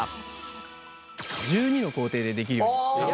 １２の工程でできるようになってます。